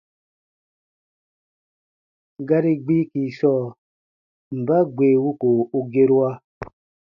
Gari gbiiki sɔɔ: mba gbee wuko u gerua?